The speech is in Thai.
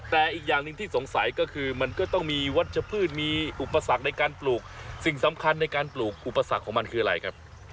แต่อีกอย่างหนึ่งที่สงสัยก็คือมันก็ต้องมีวัชพืชมีอุปสรรคในการปลูกสิ่งสำคัญในการปลูกอุปสรรคของมันคืออะไรครับ